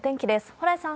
蓬莱さん。